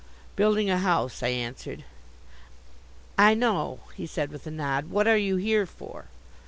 "Building a house," I answered. "I know," he said with a nod. "What are you here for?"